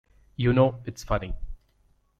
You know, it's funny.